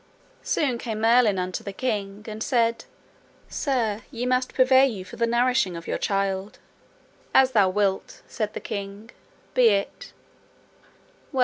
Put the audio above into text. Soon came Merlin unto the king, and said, Sir, ye must purvey you for the nourishing of your child. As thou wilt, said the king, be it.